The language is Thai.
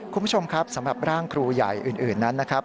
คุณผู้ชมครับสำหรับร่างครูใหญ่อื่นนั้นนะครับ